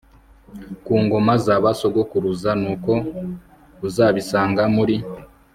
ku ngoma za ba sogokuruza Nuko uzabisanga muri